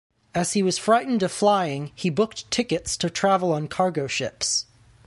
As he was frightened of flying, he booked tickets to travel on cargo ships.